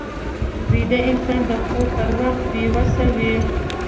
ویده انسان د خوب پر وخت بې وسه وي